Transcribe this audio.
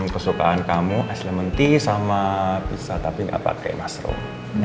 kesukaan kamu eslementi sama pizza tapi gak pake mushroom